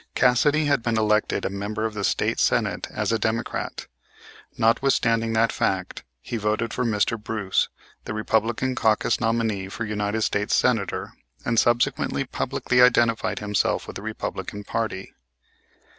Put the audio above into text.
Cassidy had been elected a member of the State Senate as a Democrat. Notwithstanding that fact he voted for Mr. Bruce, the Republican caucus nominee for United States Senator, and subsequently publicly identified himself with the Republican party.